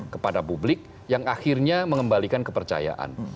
kepada publik yang akhirnya mengembalikan kepercayaan